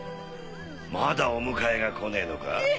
まだお迎えが来ねえのか？